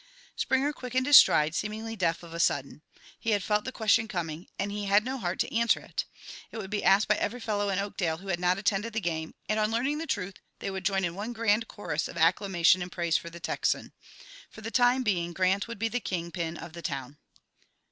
Springer quickened his stride, seemingly deaf of a sudden. He had felt the question coming, and he had no heart to answer it. It would be asked by every fellow in Oakdale who had not attended the game, and, on learning the truth, they would join in one grand chorus of acclamation and praise for the Texan. For the time being Grant would be the king pin of the town.